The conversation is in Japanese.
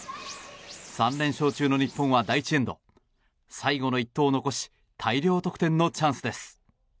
３連勝中の日本は第１エンド最後の１投を残し大量得点のチャンスです。